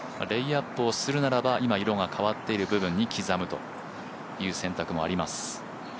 レイアップをするならば、今色が変わっている部分に刻むという選択もあります。